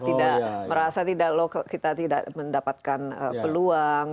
tidak merasa kita tidak mendapatkan peluang